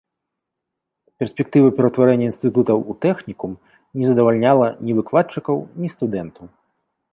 Перспектыва пераўтварэння інстытута ў тэхнікум не задавальняла ні выкладчыкаў, ні студэнтаў.